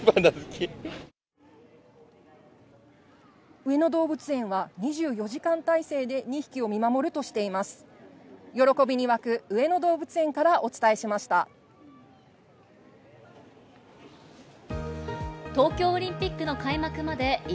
上野動物園は２４時間体制で２匹を見守るとしています。